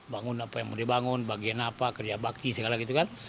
bangun apa yang mau dibangun bagian apa kerja bakti segala gitu kan